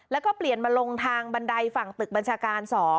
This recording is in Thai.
แล้วก็เปลี่ยนมาลงทางบันไดฝั่งตึกบัญชาการ๒